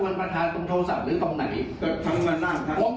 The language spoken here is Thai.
คุณประธานก็พบลงไปมอง